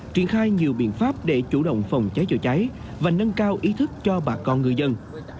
triển khai nhiều biện pháp để chủ động phòng cháy chữa cháy và nâng cao ý thức cho bà con người dân